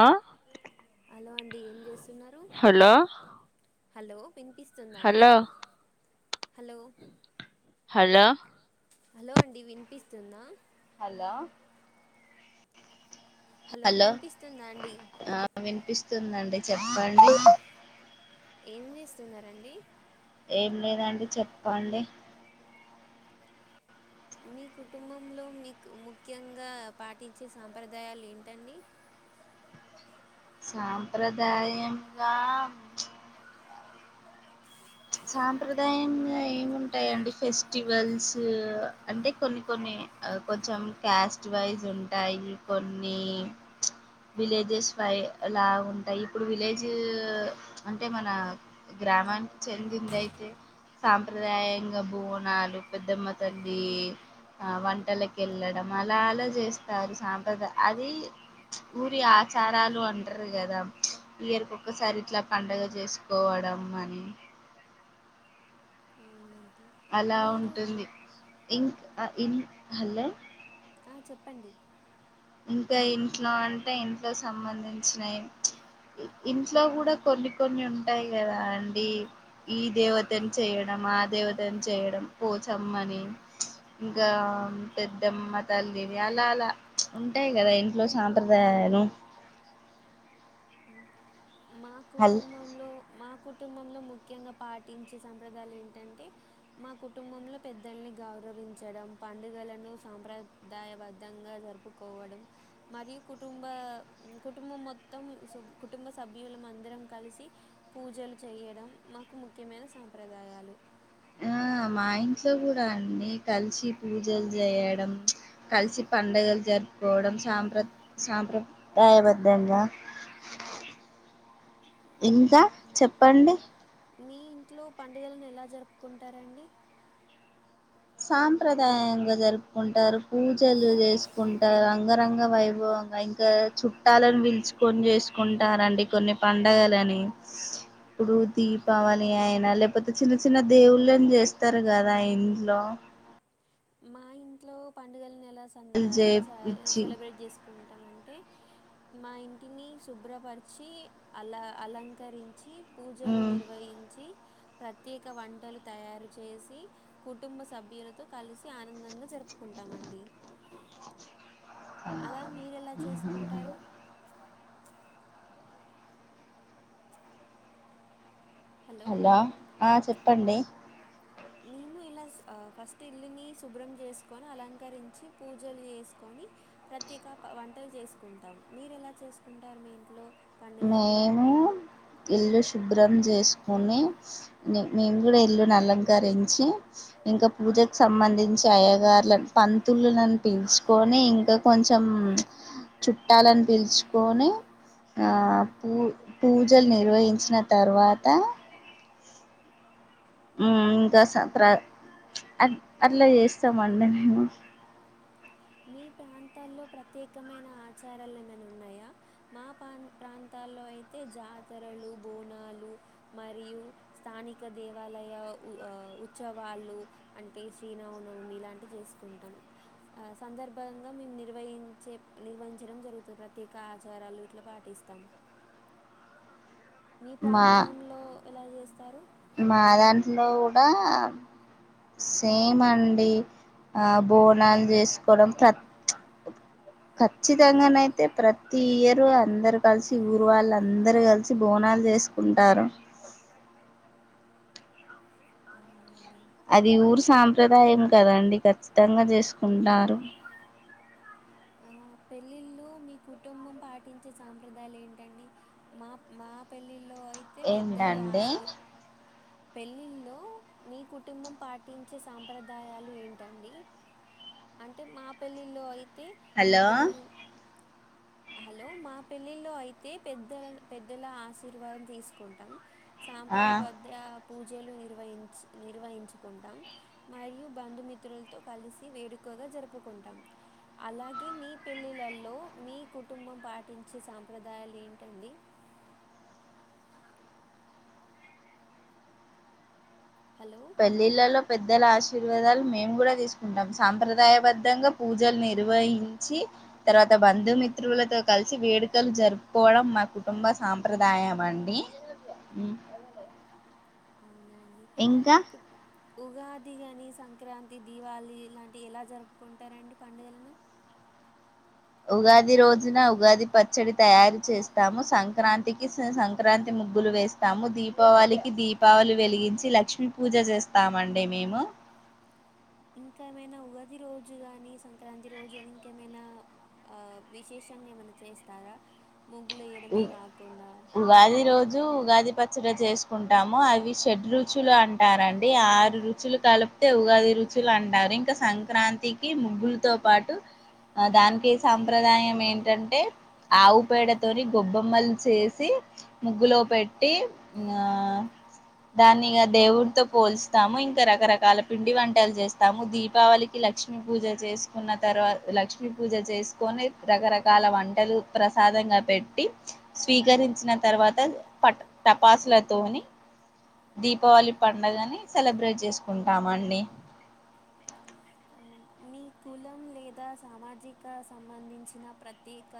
ఆ హలో అండి ఏం చేస్తున్ హలో హలో వినిపిస్తుందా అండి హలో హలో హలో అండి విన్పిస్తుందా. హలో హలో వినిపిస్తుందండి చెప్పండి. ఏం చేస్తున్నారండి ఏం లేదండి చెప్పండి మీ కుటుంబంలో మీకు ముఖ్యంగా పాటించే సాంప్రదాయాలు ఏంటండి. సాంప్రదాయంగా సాంప్రదాయంగా ఏముంటాయండి ఫెస్టివల్స్ అంటే కొన్ని కొన్ని కొంచెం క్యాస్ట్ వైజ్ ఉంటాయి కొన్ని విలేజెస్ పై లా ఉంటాయి ఇప్పుడు విలేజు అంటే మన గ్రామానికి చెందింది అయితే సాంప్రదాయంగా బువనాలు పెద్దమ్మ తల్లి ఆ వంటలకి వెళ్ళడం అలా అలా చేస్తారు సాంప్రదాయ అది ఊరి ఆచారాలు అంటరు కదా ఇయర్కి ఒక్కసారి ఇట్లా పండగ జేసుకోవడం అని అవును అలా ఉంటుంది ఇక్ అ ఇన్ హల్లో ఆ చెప్పండి ఇంకా ఇంట్లో అంటే ఇంట్లో సంబంధించినయ్ ఇంట్లో కూడా కొన్ని కొన్ని ఉంటాయి కదా అండి ఈ దేవతని చేయడం మాదేవతను చేయడం పోచమ్మని ఇంకా పెద్దమ్మ తల్లి వి అలా అలా ఉంటాయి కదా ఇంట్లో సాంప్రదాయాలు మా కుటుంబంలో మా కు కుటుంబంలో ముఖ్యంగా పాటించే సంప్రదాలు ఏంటంటే మా కుటుంబంలో పెద్దల్ని గౌర వించడం పండుగలను సాంప్రదాయబద్ధంగా జరుపుకోవడం మరియు కుటుంబ బా కుటుంబం మొత్తం కుటుంబ సభ్యులం అందరం కలిసి పూజలు చేయడం మాకు ముఖ్యమైన సంప్రదా దాలు మా ఇంట్లో కూడా అండి కలిసి పూజలు చేయడం కలిసి పండగలు జరుపుకోవడం సాంప్ర సాంప్రదాయబద్ధంగా [inaudible] ఇంకా చెప్పండి మీ ఇంట్లో పండుగలను ఎలా జరుపుకుంటారండి సాంప్రదాయంగా జరుపుకుంటారు పూజలు చేసుకుంటారు అంగరంగ వైభవం ఇంకా చుట్టాలను పిల్చుకొని చేసుకుంటారండి కొన్ని పండగలని ఇప్పుడు దీపావళి అయన లేకపోతే చిన్న చిన్న దేవుళ్ళని చేస్తారు కదా ఇంట్లో మా ఇంట్లో పండుగలను ఎలా స ఎలా సెలబ్రేట్ చేసు కుంటామంటే మా ఇంటిని శుభ్రపరిచి అల అలంకరించి పూజలు నిర్వహించి ప్రత్యేక వంటలు తయారు చేసి కుటుంబ సభ్యులతో కలిసి ఆనందంగా జరుపుకుంటామండి అలా మీరు ఎలా చేసుకుంటారు హలో ఆ చెప్పండి మీము ఇలా ఫస్ట్ ఇల్లుని శుభ్రం చేసుకొని అలంకరించి పూజలు చేసుకొని తిగా వంటలు చేసుకుంటాం మీరు ఎలా చేసుకుంటారు మీ ఇంట్లో మేము ఇల్లు శుభ్రం జేసుకోని మేము కూడా ఇల్లుని అలంకరించి ఇంకా పూ జకు సంబంధించి అయ్యగార్లను పంతుళ్ళను పిల్చుకొని ఇంకా కొంచెం చుట్టాలని పిలుచుకొని ఆ పూ పూజలు నిర్వహించిన తర్వాత మ్ ఇంకా స ప్ర అ అట్లా చేస్తామండి మేము మీ ప్రాంతాల్లో ప్రత్యేకమైన ఆచారాలు ఏమైనా ఉన్నాయా మా ప ప్రాంత ల్లో అయితే జాతరలు బోనాలు మరియు స్థానిక దేవాలయ ఉత్సవాలు అంటే శ్రీరామనవమి ఇలాంటివి చేసుకుంటాం ఆ సందర్భంగా మేము నిర్వహించే నిర్వహించడం జరుగుతుంది ప్రత్యేక ఆచారాలు ఇట్లా పాటిస్తాం మీ ప్రాంతాల్లో ఎలా చేస్తారు మా దాంట్లో కూడా సేమ్ అండి ఆ బోనాలు చేసుకోవడం ప్ర ఖచ్చితంగాన అయితే ప్రతి ఇయరు అందరు కలిసి ఊరు వాళ్ళ అందరు కలిసి బొ నాలు చేసుకుంటారు అది ఊరు సాంప్రదాయం కదండి ఖచ్చితంగా చేసుకుంటారు అ పెళ్లిల్ లో మీ కుటుంబం పాటించే సాంప్రదాయాలు ఏంటండి మా మా పెళ్ళిలో అయితే పెద్దలు ఆసిర్ పెళ్ళిళ్ళల్లో మీ కుటుంబం పాటించే సాంప్రదాయాలు ఏంటండి అంటే మా పెళ్ళిలో అయితే పెద్దళ హలో మా పెళ్ళిల్లో అయితే పెద్దలు పెద్దల ఆశీర్వాదం తీసుకుంటాం సాంప్రాయ భద్ర పూజలు నిర్వహించి నిర్వహించుకుంటాం మరియు బంధుమిత్రులతో కలిసి వేడుక కాలు జరుపుకుంటాం అలాగ్ మీ పెళ్ళిళలో మీ కుటుంబం పాటించే సాంప్రదాయాలు ఏంటండి [inaudible] పెళ్ళిళ్లలో పెద్దల ఆశీర్వాదాలు మేము కూడా తీసుకుంటాం సాంప్రదాయబద్ధంగా పూజల్ నీ నిర్వహించి తర్వాత బంధుమిత్రులతో కలిసి వేడుకలు జరుపుకోవడం మా కుటుంబ సాంప్రదాయం అండి ఉ [inaudible] ఇంకా ఉగాది గాని సంక్రాంతి దీవాళి ఇలాంటివి ఎలా జరుపుకుంటారండి పండుగలను ఉగాది రోజున ఉగాది పచ్చడి తయారు చేస్తాము సంక్రాంతికి సంక్రాంతి ముగ్గులు వేస్తాము దీపావళికి దీపావళి వెలిగించి లక్ష్మీ పూజ చేస్తామండి మేము [inaudible] ఇంకేమైనా ఉగాది రోజు గాని సంక్రాంతి రోజు కాని ఇంకేమైనా ఆ విశేషంగా ఏమన్ చేస్తార ఇ ఉగాది రోజు ఉగాది పచ్ చడీ చేసుకుంటాము అవి షడ్ రుచులు అంటారండి ఆరు రుచులు కలిపితే ఉగాది రుచ్ చూలు అంటారు ఇంకా సంక్రాంతికి ముగ్గులతో పాటు ఆ దానికి సాంప్రదాయం ఏంటంటే ఆవు పేడత్ తోని గొబ్బామ్మలు చేసి ముగ్గులో పెట్టి ఆ దాన్ని ఇగ దేవుడితో పోలుస్తాము ఇంకా రకరకాల పిండి వంటలు చేస్తాము దీపావళికి లడ్ లక్ష్మీ పూజ చేసుకున్న తర్వాత్ లక్ష్మీ పూజ చేసుకొని రకరకాల వంటలు ప్రసాదంగా పెట్టి స్వీకరించిన తర్వాత ప టపాసులతోని దీపావళి పండుగని సెలబ్రేట్ చేసుకుంటామ అండి అ మీ కులం లేదా సామాజిక సంబంధించిన ప్రత్యేక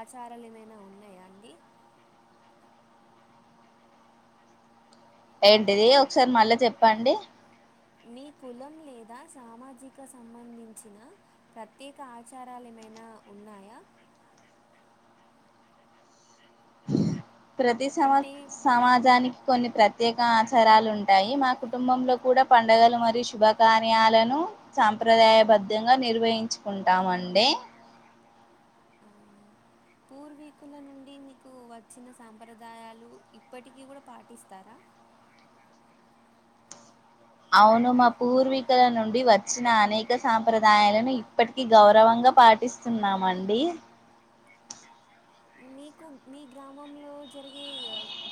ఆచారాలు ఏమైనా ఉన్ ఉన్నాయా అండి ఏంటిది ఒకసారి మళ్ళా చెప్పండి మీ కులం లేదా సామాజిక సంబంధించిన ప్రత్యేక ఆచారాలు మనా ఉన్నాయా ప్రతి సమా సమాజానికి కొన్ని ప్రత్యేక ఆచారలు ఉంటాయి మా కుటుంబంలో కూడా పండగలను మరియు శుభకార్యాలను సాంప్రదాయబద్ధంగా నిర్వహించుకుంటాం అండి ఉ పూర్వీకుల నుండి మీకు వచ్చిన సాంప్రదాయాలు ఇప్పటికీ కూడా పాటిస్తారా అవును మా పూర్వీకుల నుండి వచ్చిన అనేక సాంప్రదాయాలను ఇప్పటికీ గౌరవంగా పాటిస్తున్నామండి ని మీకు మీ గ్రామంలో జరిగే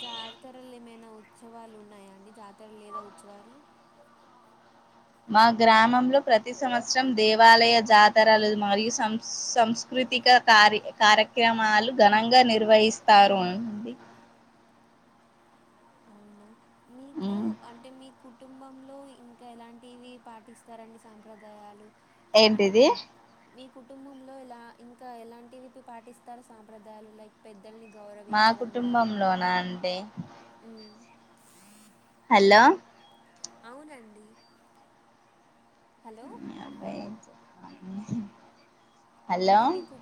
జాతరలు ఏమైనా ఉత్సవాలు ఉన్నాయాండి జా అతర లేదా ఉచ్చవార్లు మా గ్రామంలో ప్రతి సంవత్సరం దేవాలయ జాతరలు మరియు సం సంస్కృతి కృతిక కార్య కార్యక్రమాలు ఘనంగా నిర్వహిస్తారు అండి అవునా మీకు అంటే మీకు కుటుంబంలో ఇంకా ఎలాంటివి పాటిస్తారండి సాంప్రదాయాలు అంటే పెద్ద మీ కుటుంబంలో ఇలా ఇంకా ఎలాంటివి పాటిస్తారు సాంప్రదాయాలు లైక్ పెద్ద మా కుటుంబంలోనా అండి హలో అవును అండి ఈ అబ్బాయి [inaudible] అంటే మీకు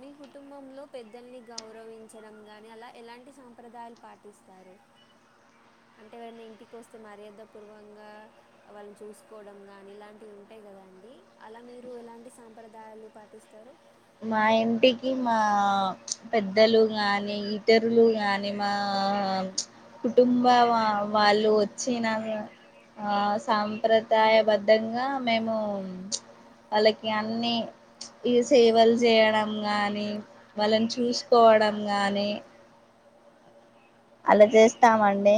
మీకు కుటుంబంలో పెద్దల్ని గౌరవించడం గాని అలా ఎలాంటి సంప్రదాయాలు పాటిస్తారు. [inaudible] అంటే ఎవరన్నా ఇంటికి వస్తే మర్యాద పూర్వంగా వాళ్ళని చూసుకోవడం గాని ఇలాంటివి ఉంటాయ్ గదా అండి అలా మీరు ఎలాంటి సంప్రదాయాలు పాటిస్ మా ఇంటికి మా పెద్దలు గాని ఇతరులు గాని మా ఆ కుటుంబ వా వాళ్ళు వచ్చిన. ఆ సాంప్రదాయబద్ధంగా మేము ఉచ్ వాళ్ళకి అన్ని థిస్ సేవలు చేయడం కానీ వాళ్ళని చూసుకోవడం కానీ అలా చేస్తామండి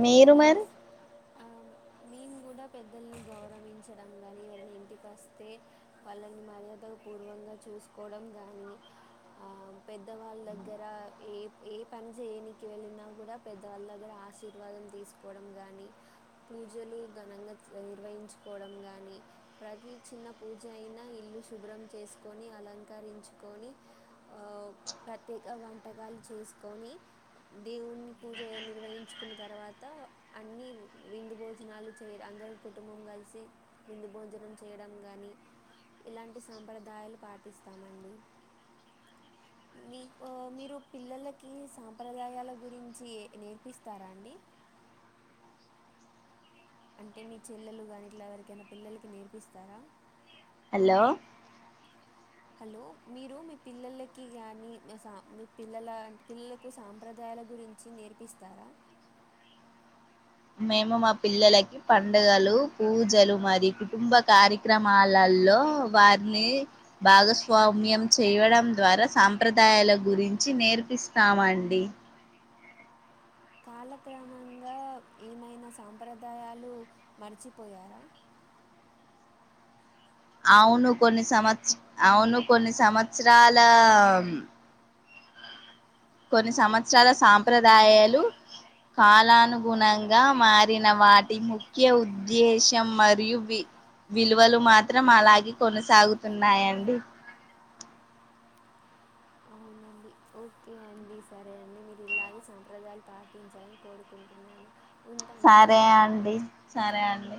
పిల్లలకూస్ ఆ మేము కూడా ఇం పెద్దల్ని గౌరవించడం గానీ ఎవరినా ఇంటికి వస్తే వాళ్ళని మర్యాద పూర్వంగా. చూసుకోవడం గాని ఆ పెద్దవాళ్ళ దగ్గర ఏ ఏ పని చేయని కి వెళ్ళినా కూడా పెద్దవాళ్ళ దగ్గర ఆశిర్ ఆశీర్వాదం తీసుకోవడం గానీ పూజలు ఘనంగా నిర్వహించుకోవడం గాని ప్రతి చిన్న పూజ అయినా ఇల్లు శుభ్రం చేసుకొని అలంకరించుకొని ఆ ఓ ప్రత్యేక వంటకాలు చేసుకొని దేవుని పూజ నిర్వహించు తర్వాత అన్ని విందు భోజనాలు చేయ అందరం కుటుంబం కలిసి విందు భోజనం చేయడం కానీ ఇలాంటి సంప్రదాయాలు పాటిస్తామండి మీకు మీరు పిల్లలకి సాంప్రదాయాల గురించి నేర్పిస్ తార అండి అంటే మీ చెల్లెలు గాని ఇట్లా ఎవరికైనా పిల్లలకి నేర్పిస్తారా హలో హలో మీరు మీ పిల్లలకి గాని స మీ పిల్లలకు సాంప్రదాయ వాళ్ల గురించి నేర్పిస్తారా మేము మా పిల్లలకి పండగలు పూజలు మరి కుటుంబ కార్యక్రమాలలో లో వారిని భాగస్వామ్యం చేయడం ద్వారా సాంప్రదాయాల గురించి. చ్చి నేర్పిస్తామండి కాలక్రమంగా ఏమైనా సాంప్రదాయాలు మర్చిపోయారా అవును కొన్ని సంవత్స అవును కొన్ని సంవత్సరాల కొన్ని సంవత్సరాల సాంప్రదాయాలు కాలానుగుణంగా మారిన వాటి ముఖ్య ఉద్దేశం మరియు వి విలువలు మాత్రం అలాగే కొనసాగుతున్నాయండి ఓకే అండి సరే అండి మీరు ఇలాగే సాంప్రదాయాలు పాటించాలని కోరుకుంటున్నాను సరే అండి సరే అండి